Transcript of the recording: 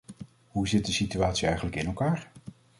Hoe zit de situatie eigenlijk in elkaar?